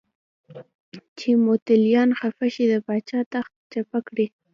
چې متولیان خفه شي د پاچا تخت چپه کېږي.